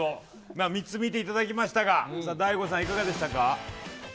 ３つ見ていただきましたがＤＡＩＧＯさん、いかがでした？